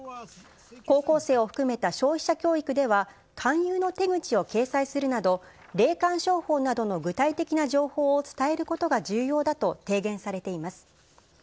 高校生を含めた消費者教育では、勧誘の手口を掲載するなど、霊感商法などの具体的な情報を伝えることが重要だと提言されています。